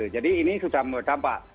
jadi ini sudah mendapat